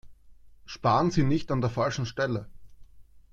Sparen Sie nicht an der falschen Stelle!